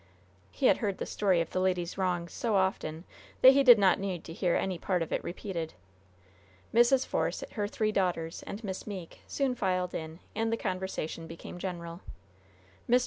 He had heard the story of the lady's wrongs so often that he did not need to hear any part of it repeated. Mrs. Force, her three daughters, and Miss Meeke, soon filed in, and the conversation became general. Mr.